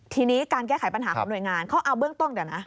ทีนี้การแก้ไขปัญหาของหน่วยงานเขาเอาเบื้องต้นเดี๋ยวนะ